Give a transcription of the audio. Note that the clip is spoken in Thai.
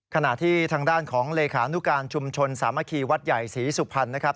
ขณะที่ทางด้านของเลขานุการชุมชนสามัคคีวัดใหญ่ศรีสุพรรณนะครับ